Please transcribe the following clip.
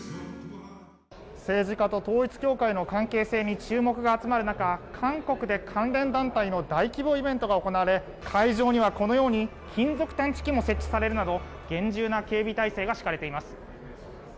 政治家と統一教会の関係性に注目が集まる中韓国で関連団体の大規模イベントが行われ会場では金属探知機が設置されるなど厳重な警備態勢が敷かれています。